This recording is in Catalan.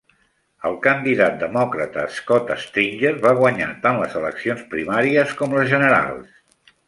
El candidat demòcrata Scott Stringer va guanyar tant les eleccions primàries com les generals.